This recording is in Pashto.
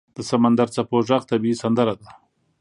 • د سمندر څپو ږغ طبیعي سندره ده.